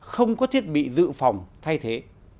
không có thiết bị dự phòng thay thế